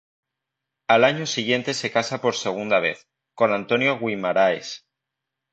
Al año siguiente se casa por segunda vez, con António Guimarães.